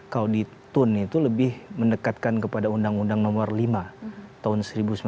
kalau di tun itu lebih mendekatkan kepada undang undang nomor lima tahun seribu sembilan ratus sembilan puluh